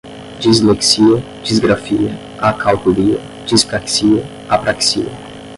dislexia, disgrafia, acalculia, dispraxia, apraxia